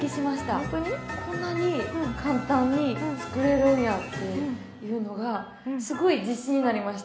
こんなに簡単に作れるんやっていうのがすごい自信になりました。